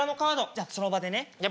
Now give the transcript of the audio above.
じゃあその場でね